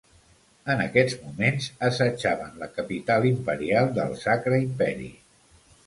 En aquests moments assetjaven la capital imperial del Sacre Imperi.